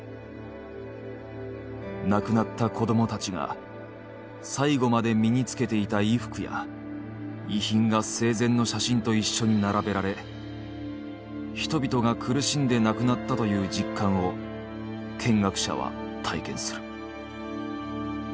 亡くなった子どもたちが最後まで身につけていた衣服や遺品が生前の写真と一緒に並べられ人々が苦しんで亡くなったという実感を見学者は体験する。